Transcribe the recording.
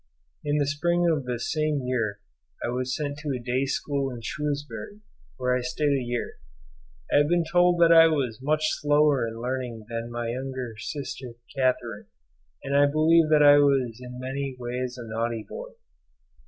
In the spring of this same year I was sent to a day school in Shrewsbury, where I stayed a year. I have been told that I was much slower in learning than my younger sister Catherine, and I believe that I was in many ways a naughty boy.